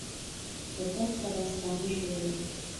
اطاق ته راستانه شولو.